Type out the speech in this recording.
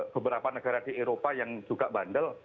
beberapa negara di eropa yang juga bandel